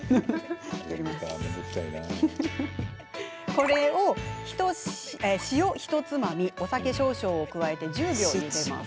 これを、塩ひとつまみお酒少々を加えて１０秒ゆでます。